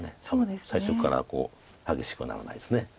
最初から激しくならないですね。